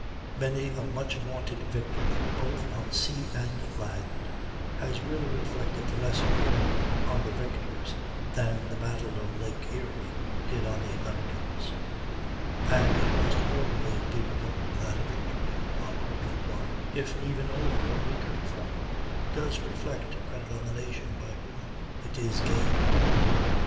Many a much vaunted victory, both on sea and land, has really reflected less credit on the victors than the battle of Lake Erie did on the Americans. And it must always be remembered that a victory, honorably won, if even over a weaker foe, does reflect credit on the nation by whom it is gained.